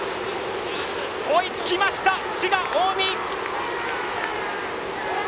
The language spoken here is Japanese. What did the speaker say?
追いつきました滋賀・近江！